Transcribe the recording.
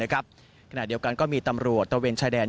ขณะเดียวกันก็มีตำรวจตะเวนชายแดน